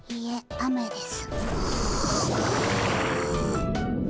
雨です！